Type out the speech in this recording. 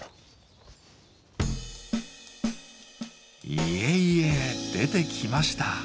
いえいえ出てきました。